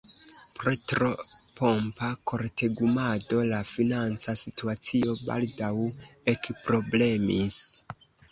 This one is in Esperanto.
Pro tro pompa kortegumado la financa situacio baldaŭ ekproblemis.